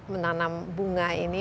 menanam bunga ini